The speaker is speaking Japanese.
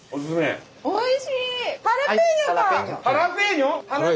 おいしい！